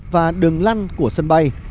và đường lăn của sân bay